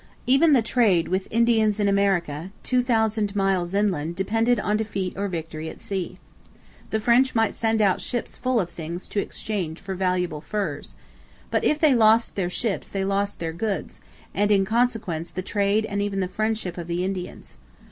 Even the trade with Indians in America, two thousand miles inland, depended on defeat or victory at sea. The French might send out ships full of things to exchange for valuable furs. But if they lost their ships they lost their goods, and in consequence the trade and even the friendship of the Indians.